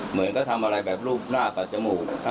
เหมือนกับทำอะไรแบบลูกหน้ากับจมูก